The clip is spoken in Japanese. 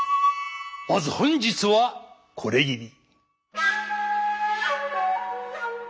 まず本日はこれぎり。